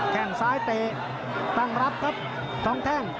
แค่งซ้ายเตะตั้งรับครับท้องแท่ง